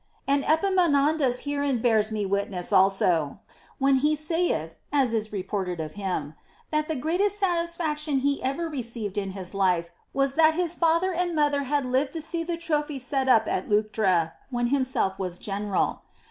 And Epami nondas herein bears me witness also, when he saith (as is reported of him), that the greatest satisfaction he ever re ceived in his life was that his father and mother had lived to see the trophy set up at Leuctra when himself was gen eral.